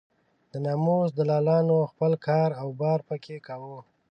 د ناموس دلالانو خپل کار و بار په کې کاوه.